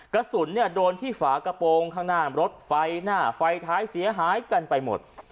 กระสุนโดนที่ฝากระโปรงข้างหน้ารถไฟหน้าไฟท้ายเสียหายกันไปหมด